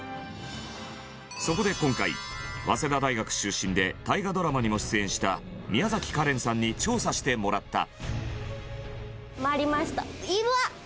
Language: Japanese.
そこで今回、早稲田大学出身で大河ドラマにも出演した香蓮さんに調査してもらった回りました。